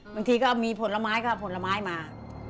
บางทีก็เอามีผลไม้ก็เอาผลไม้มา